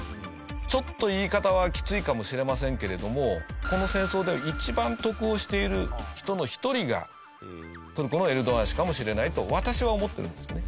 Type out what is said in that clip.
ちょっと言い方はきついかもしれませんけれどもこの戦争で一番得をしている人の一人がトルコのエルドアン氏かもしれないと私は思ってるんですね。